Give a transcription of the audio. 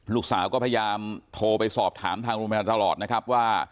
ลูกสาวก็พยายามโทรไปสอบถามทางโรงพยาบาลตลอดนะครับว่า